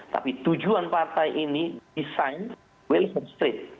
tapi tujuan partai ini desain well subscribed